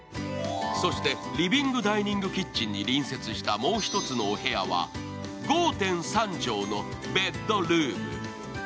そしてリビングダイニングキッチンに隣接したもう一つのお部屋は５．３畳のベッドルーム。